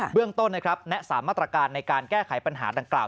เบื้องต้นแนะสารมาตรการในการแก้ไขปัญหาดังกล่าว